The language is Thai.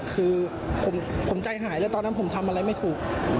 คือผมใจหายแล้วตอนนั้นผมทำอะไรไม่ถูก